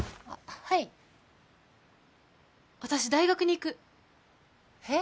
はい私大学に行くへ？